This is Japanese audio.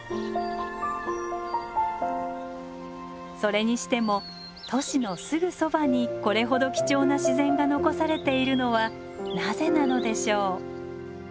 それにしても都市のすぐそばにこれほど貴重な自然が残されているのはなぜなのでしょう？